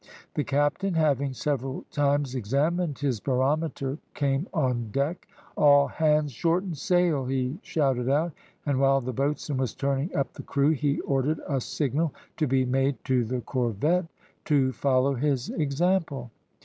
The captain, having several times examined his barometer, came on deck. "All hands, shorten sail!" he shouted out, and while the boatswain was turning up the crew he ordered a signal to be made to the corvette to follow his example.